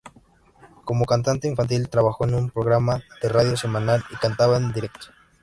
Como cantante infantil, trabajó en un programa de radio semanal y cantaba en directo.